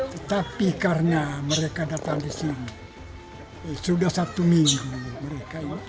tetapi karena mereka datang di sini sudah satu minggu mereka